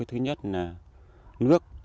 thứ nhất là nước